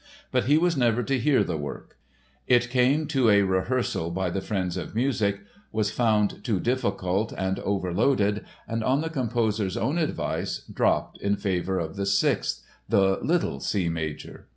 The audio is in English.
But he was never to hear the work. It came to a rehearsal by the Friends of Music, was found too difficult and "overloaded" and on the composer's own advice, dropped in favor of the Sixth—the "little" C major.